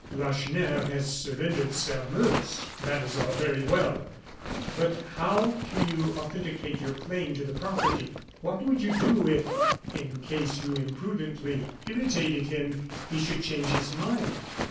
Lacheneur has surrendered Sairmeuse. That is all very well; but how can you authenticate your claim to the property? What would you do if, in case you imprudently irritated him, he should change his mind?